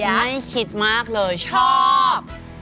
ให้คิดมากเลยชอบ